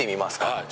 はい。